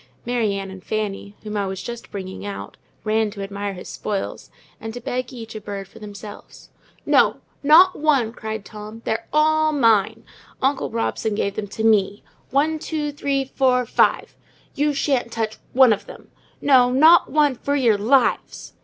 Mary Ann and Fanny, whom I was just bringing out, ran to admire his spoils, and to beg each a bird for themselves. "No, not one!" cried Tom. "They're all mine; uncle Robson gave them to me—one, two, three, four, five—you shan't touch one of them! no, not one, for your lives!"